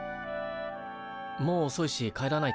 もうおそいし帰らないと。